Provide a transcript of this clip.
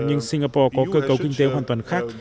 nhưng singapore có cơ cấu kinh tế hoàn toàn khác